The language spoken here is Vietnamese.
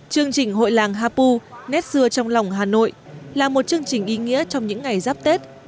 chương trình hội làng hapu nét xưa trong lòng hà nội là một chương trình ý nghĩa trong những ngày giáp tết